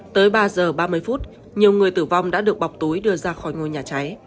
tới ba giờ ba mươi phút nhiều người tử vong đã được bọc túi đưa ra khỏi ngôi nhà cháy